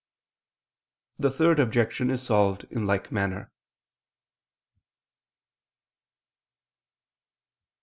The Third Objection is solved in like manner.